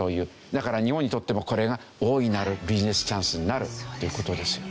だから日本にとってもこれが大いなるビジネスチャンスになるという事ですよね。